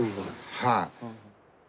はい。